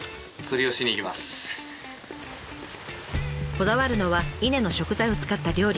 こだわるのは伊根の食材を使った料理。